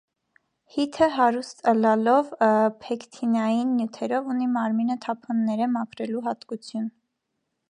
Հիւթը հարուստ ըլլալով փէքթինային նիւթերով ունի մարմինը թափոններէ մաքրելու յատկութիւն։